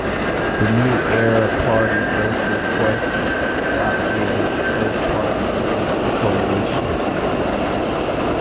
The New Era Party first requested Latvia's First Party to leave the coalition.